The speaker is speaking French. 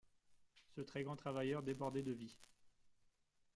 Ce très grand travailleur débordait de vie.